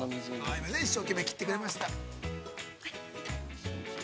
◆今ね、一生懸命切ってくれました。